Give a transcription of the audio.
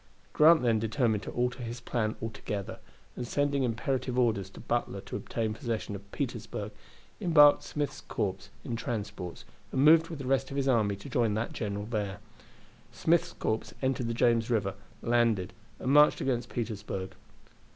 Grant then determined to alter his plan altogether, and sending imperative orders to Butler to obtain possession of Petersburg, embarked Smith's corps in transports, and moved with the rest of his army to join that general there. Smith's corps entered the James River, landed, and marched against Petersburg.